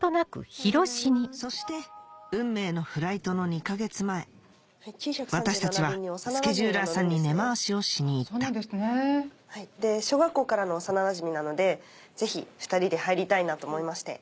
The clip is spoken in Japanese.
そして運命のフライトの２か月前私たちはスケジューラーさんに根回しをしに行った小学校からの幼なじみなのでぜひ２人で入りたいなと思いまして。